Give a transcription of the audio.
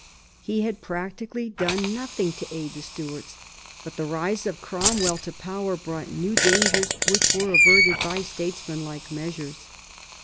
He had practically done nothing to aid the Stuarts, but the rise of Cromwell to power brought new dangers which were averted by statesmanlike measures.